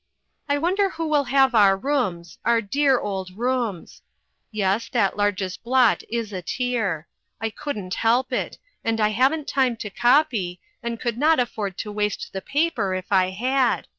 I wonder who will have our rooms our dear old rooms ? Yes, that largest blot is a tear. I couldn't help it, and I haven't time to copy, and could not afford to waste the paper, if I had.